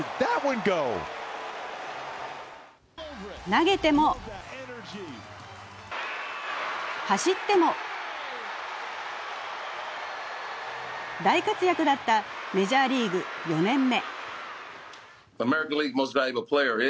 投げても、走っても、大活躍だったメジャーリーグ４年目。